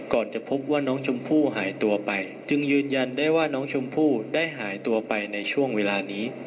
จะพบว่าน้องชมพู่หายตัวไปจึงยืนยันได้ว่าน้องชมพู่ได้หายตัวไปในช่วงเวลานี้